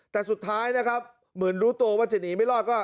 แต่สุดท้ายนะครับเหมือนรู้ตัวว่าจะหนีไม่รอดก็